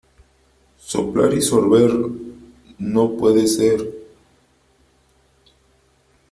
Soplar y sorber, no puede ser.